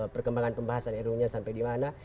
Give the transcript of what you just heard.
perkembangan pembahasan edungnya sampai di mana